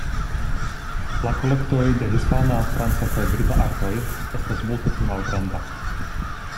La kolektoj de hispana, franca kaj brita artoj estas multe pli malgranda.